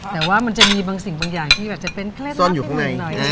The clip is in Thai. แต่ว่ามันจะมีบางสิ่งบางอย่างที่จะเป็นเคล็ด๑๙๘๕หน่อยอ่า